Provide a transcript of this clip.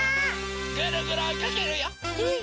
ぐるぐるおいかけるよ！